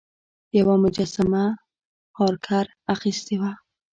یوه مجسمه هارکر اخیستې وه.